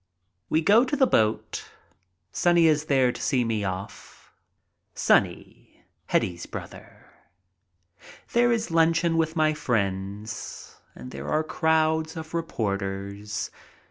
We go to the boat. Sonny is there to see me off. Sonny, Hetty's brother. There is luncheon with my friends and there are crowds of reporters.